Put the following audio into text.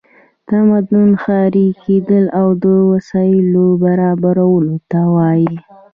تمدن ښاري کیدل او د وسایلو برابرولو ته وایي.